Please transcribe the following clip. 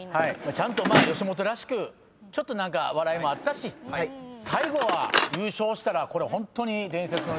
ちゃんと吉本らしくちょっと何か笑いもあったし最後は優勝したらこれホントに伝説の一日なんで。